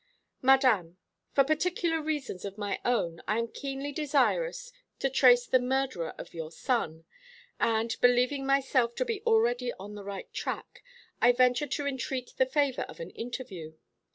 "Madame, For particular reasons of my own, I am keenly desirous to trace the murderer of your son; and, believing myself to be already on the right track, I venture to entreat the favour of an interview.